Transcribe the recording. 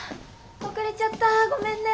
遅れちゃったごめんね。